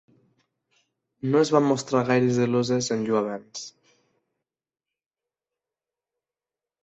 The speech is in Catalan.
No es van mostrar gaire zeloses en llur avenç